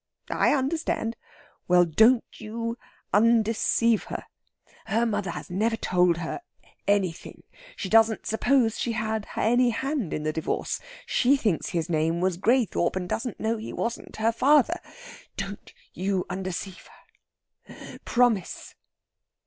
"I understand." "Well, don't you undeceive her. Her mother has never told her anything. She doesn't suppose she had any hand in the divorce. She thinks his name was Graythorpe, and doesn't know he wasn't her father. Don't you undeceive her promise."